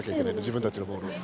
自分たちのボールを。